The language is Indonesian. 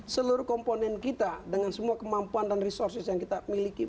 seluruh komponen kita dengan semua kemampuan dan resources yang kita miliki